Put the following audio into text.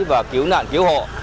và cứu nạn cứu hộ